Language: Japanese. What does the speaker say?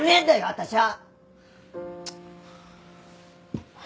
私は！